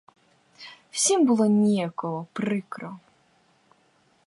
Всім було ніяково, прикро.